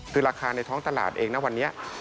คือราคาในท้องตลาดเองนะวันนี้